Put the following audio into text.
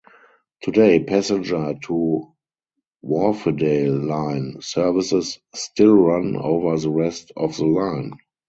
Today passenger to Wharfedale line services still run over the rest of the line.